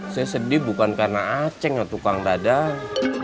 saya sedih bukan karena aceng ya tukang dadang